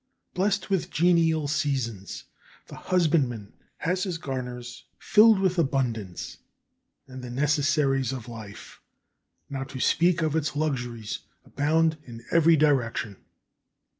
Blessed with genial seasons, the husbandman has his garners filled with abundance, and the necessaries of life, not to speak of its luxuries, abound in every direction.